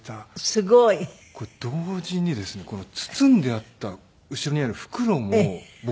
すごい。これ同時にですね包んであった後ろにある袋も僕取ってあるんですけど。